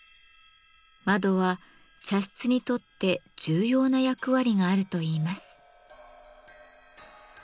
窓は茶室にとって重要な役割があるといいます。